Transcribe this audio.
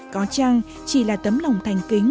có chăng chỉ là tấm lòng thành kính